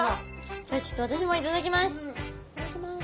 じゃあちょっと私も頂きます。